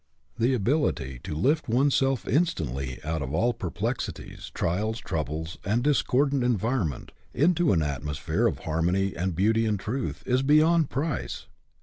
The ability to lift oneself instantly out of all perplexities, trials, troubles, and discordant environment, into an atmosphere of harmony and beauty and truth, is beyond price.